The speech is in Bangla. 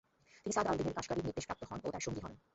তিনি সাদ-আল দীন কাসগারির নির্দেশ প্রাপ্ত হন ও তার সঙ্গী হন।